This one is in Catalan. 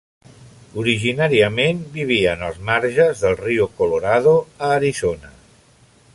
Originàriament vivien als marges del riu Colorado, a Arizona.